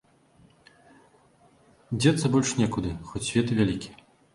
Дзецца больш некуды, хоць свет і вялікі.